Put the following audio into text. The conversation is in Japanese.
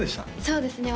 そうですね